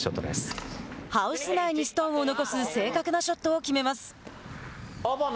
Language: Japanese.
ハウス内にストーンを残す正確なショットを決めます。